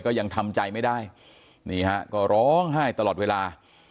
ยังทำใจไม่ได้นี่ฮะก็ร้องไห้ตลอดเวลา